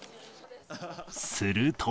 すると。